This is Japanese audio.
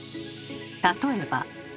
例えば。